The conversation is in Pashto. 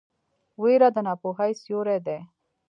ویره د ناپوهۍ سیوری دی.